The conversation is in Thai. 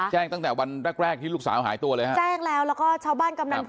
ยังตั้งแต่วันแรกที่ลูกสาวหายตัวอ่ะ